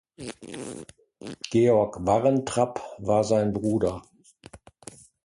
Georg Varrentrapp war sein Bruder.